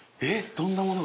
どんなものが。